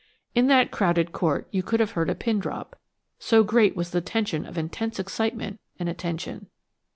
In that crowded court you could have heard a pin drop, so great was the tension of intense excitement and attention.